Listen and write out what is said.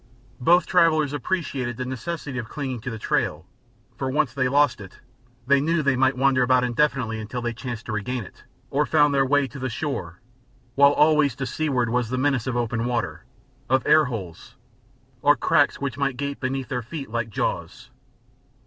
Both travelers appreciated the necessity of clinging to the trail, for, once they lost it, they knew they might wander about indefinitely until they chanced to regain it or found their way to the shore, while always to seaward was the menace of open water, of air holes, or cracks which might gape beneath their feet like jaws.